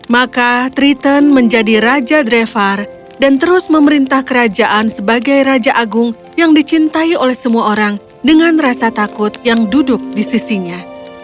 maka triton menjadi raja drevar dan terus memerintah kerajaan sebagai raja agung yang dicintai oleh semua orang dengan rasa takut yang duduk di sisinya